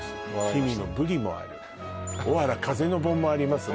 氷見のブリもあるおわら風の盆もあります